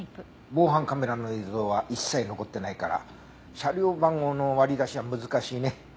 防犯カメラの映像は一切残ってないから車両番号の割り出しは難しいね。